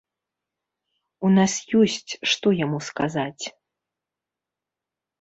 У нас ёсць, што яму сказаць.